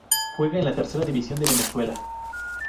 Juega en la Tercera División de Venezuela.